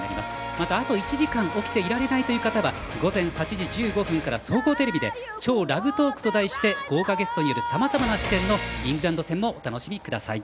またあと１時間起きていられないという方は午前８時１５分から総合テレビで「＃超ラグトーク」と題して豪華ゲストによるさまざまな視点のイングランド戦もお楽しみください。